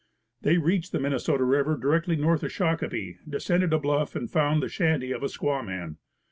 They reached the Minnesota river directly north of Shakopee, descended a bluff and found the shanty of a squaw man.